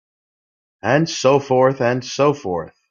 And so forth and so forth.